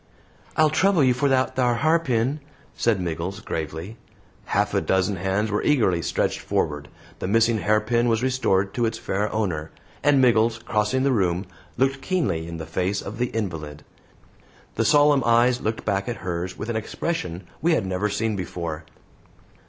"I'll trouble you for that thar harpin," said Miggles, gravely. Half a dozen hands were eagerly stretched forward; the missing hairpin was restored to its fair owner; and Miggles, crossing the room, looked keenly in the face of the invalid. The solemn eyes looked back at hers with an expression we had never seen before.